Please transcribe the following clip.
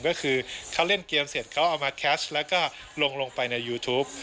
ก็คือเขาเล่นเกมเสร็จเขาเอามาแคชแล้วก็ลงไปในยูทูป